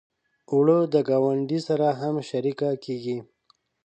اوړه د ګاونډي سره هم شریکه کېږي